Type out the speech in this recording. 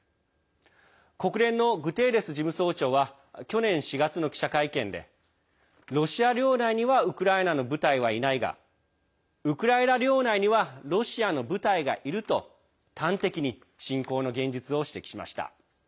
国連のグテーレス事務総長は去年４月の記者会見でロシア領内にはウクライナの部隊はいないがウクライナ領内にはロシアの部隊がいると端的に侵攻の現実を指摘しました。